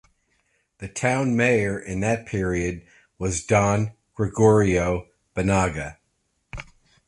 The town mayor in that period was Don Gregorio Banaga.